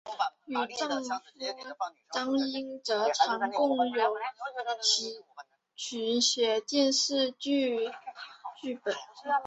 与丈夫张英哲常共同撰写电视剧剧本。